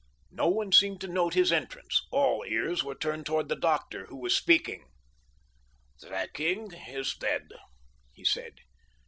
No one seemed to note his entrance. All ears were turned toward the doctor, who was speaking. "The king is dead," he said.